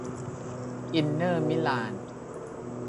อินเตอร์ มิลาน